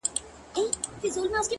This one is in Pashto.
د زده کړې مینه انسان ځوان ساتي